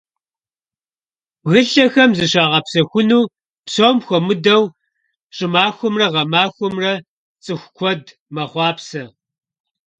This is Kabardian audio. Bgılhexem zışağepsexunu, psom xuemıdeu ş'ımaxuemre ğemaxuemre, ts'ıxu kued mexhuapse.